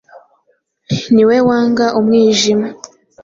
ni we wanga umwijima.